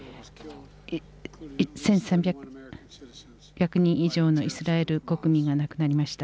１３００人以上のイスラエル国民が亡くなりました。